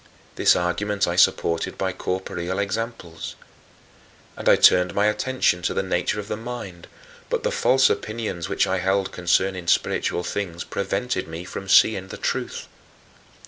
This argument I supported by corporeal examples. And I turned my attention to the nature of the mind, but the false opinions which I held concerning spiritual things prevented me from seeing the truth.